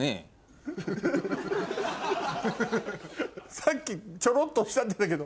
さっきチョロっとおっしゃってたけど。